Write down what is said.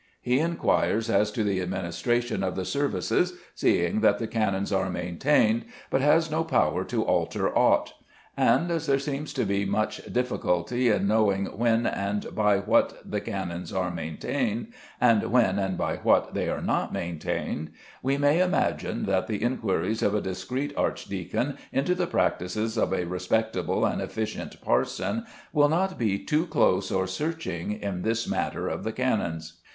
He inquires as to the administration of the services, seeing that the canons are maintained, but has no power to alter aught; and as there seems to be much difficulty in knowing when and by what the canons are maintained, and when and by what they are not maintained, we may imagine that the inquiries of a discreet archdeacon into the practices of a respectable and efficient parson will not be too close or searching in this matter of the canons.